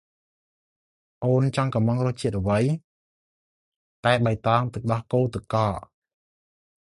«អូន ចង់កុម្ម៉ងរសជាតិអី?» «តែបៃតងទឹកដោះគោទឹកកក។»